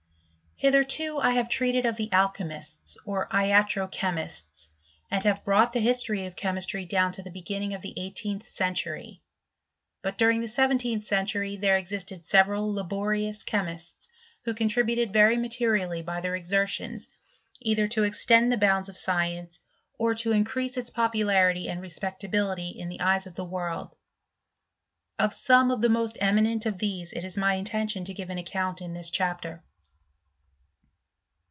£0 Hitherto I have treated of the alchymists, ' ik iatro chemists, and have brought the history of dii^ mistry down to the beginning of the eighteenth tury. But during tibe seventeenth century existed several laborious chemists, who contril very materially by their exertions, either to extend bounds of the science, or to increase its popularity respectability in the eyes of the world. Of some the most eminent of these it is my intention to give 4 account in this chapter.